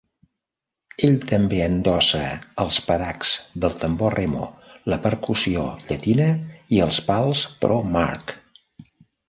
Ell també endossa els pedacs de tambor Remo, la percussió llatina i els pals Pro-Mark